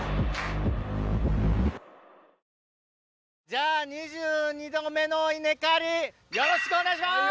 じゃあ２２度目の稲刈りよろしくお願いします！